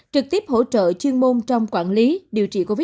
trực tiếp hỗ trợ chuyên môn trong quản lý điều trị covid một mươi